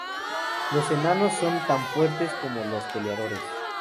Los Enanos son tan fuertes como los Peleadores.